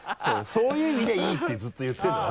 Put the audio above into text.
そういう意味で「いい」ってずっと言ってるんだよ。